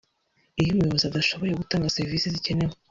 iyo umuyobozi adashoboye gutanga serivisi zikenewe